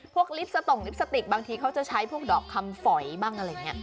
พวกลิปสตงด์ลิปสติกบางทีเค้าจะใช้พวกดอกคำฝอยบ้างอะไรแบบนี้